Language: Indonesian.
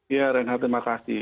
ya renhar terima kasih